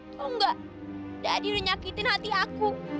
atau nggak daddy udah nyakitin hati aku